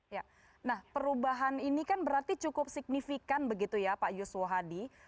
ya nah perubahan ini kan berarti cukup signifikan begitu ya pak yuswo hadi